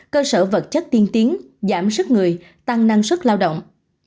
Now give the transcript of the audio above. cơ sở vật chất tiên tiến giảm sức người tăng năng suất lao động